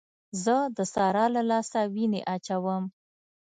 زه د سارا له لاسه وينې اچوم.